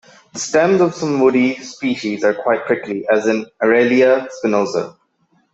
The stems of some woody species are quite prickly, as in "Aralia spinosa".